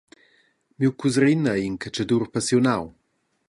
Miu cusrin ei in catschadur passiunau.